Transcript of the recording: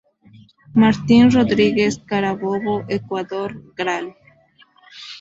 Martín Rodriguez, Carabobo, Ecuador, Gral.